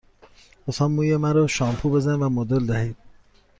لطفاً موی مرا شامپو بزنید و مدل دهید.